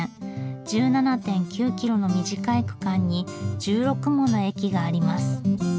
１７．９キロの短い区間に１６もの駅があります。